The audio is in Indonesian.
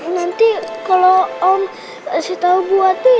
nanti kalau om kasih tau bu ati